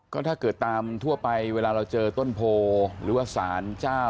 ก็ถ้าเกิดตามทั่วไปเวลาเราเจอต้นโพหรือว่าสารเจ้า